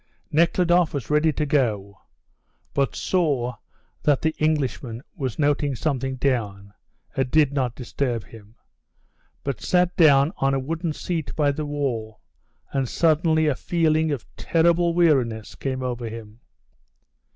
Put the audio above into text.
Nekhludoff was ready to go, but saw that the Englishman was noting something down, and did not disturb him, but sat down on a wooden seat by the wall, and suddenly a feeling of terrible weariness came over him.